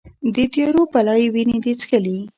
د تیارو بلا یې وینې دي چیښلې